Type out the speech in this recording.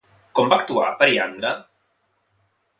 Com va actuar, Periandre?